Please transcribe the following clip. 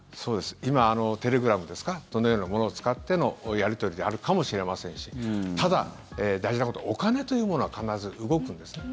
今、テレグラムですかそのようなものを使ってのやり取りであるかもしれませんしただ、大事なことはお金というものは必ず動くんですね。